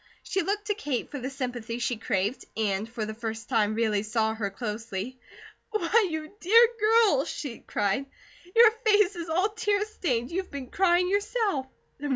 She looked to Kate for the sympathy she craved and for the first time really saw her closely. "Why, you dear girl," she cried. "Your face is all tear stained. You've been crying, yourself."